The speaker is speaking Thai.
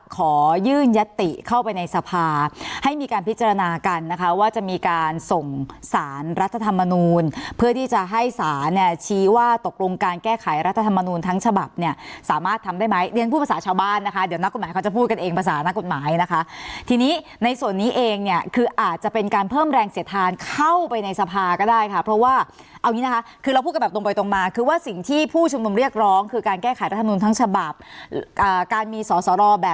เข้าไปในสภาให้มีการพิจารณากันนะคะว่าจะมีการส่งสารรัฐธรรมนูลเพื่อที่จะให้สารเนี่ยชี้ว่าตกลงการแก้ไขรัฐธรรมนูลทั้งฉบับเนี่ยสามารถทำได้ไหมเรียนพูดภาษาชาวบ้านนะคะเดี๋ยวนักกฎหมายเขาจะพูดกันเองภาษานักกฎหมายนะคะทีนี้ในส่วนนี้เองเนี่ยคืออาจจะเป็นการเพิ่มแรงเสียดทานเข้าไปในส